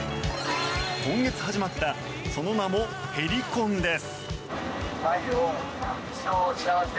今月始まったその名もヘリ婚です。